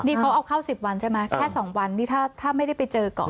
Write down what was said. นี่เขาเอาเข้า๑๐วันใช่ไหมแค่๒วันนี้ถ้าไม่ได้ไปเจอก่อน